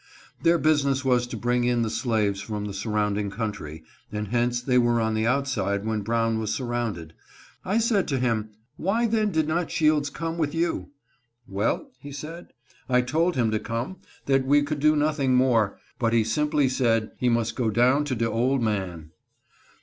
Their business was to bring in the slaves from the sur rounding country, and hence they were on the outside when Brown was surrounded. I said to him, " Why then did not Shields come with you ?"" Well," he said, " I 392 AUTHOR SAILS FOR EUROPE. told him to come ; that we could do nothing more, but he simply said he must go down to de ole man."